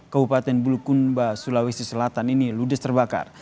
kabupaten bulukumba sulawesi selatan ini ludes terbakar